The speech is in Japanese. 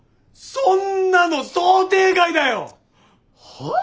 そんなの想定外だよ！は？